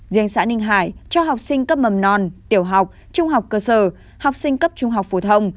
riêng xã ninh hải cho học sinh cấp mầm non tiểu học trung học cơ sở học sinh cấp trung học phổ thông